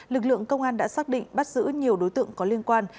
lực lượng công an đã xác định bắt giữ nhiều đối tượng có liên quan